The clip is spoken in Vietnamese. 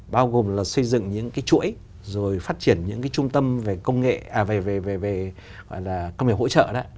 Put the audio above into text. bao gồm là xây dựng những cái chuỗi rồi phát triển những cái trung tâm về công nghệ hỗ trợ đó